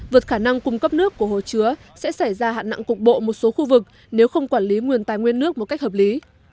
vượt khả năng cung cấp nước của hồ chứa sẽ xảy ra hạn nặng cục bộ một số khu vực nếu không quản lý nguồn tài nguyên nước một cách hợp lý